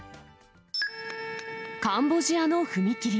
カンボジアの踏切。